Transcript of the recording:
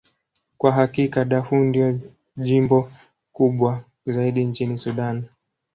Kwa hakika, Darfur ndilo jimbo kubwa zaidi nchini Sudan.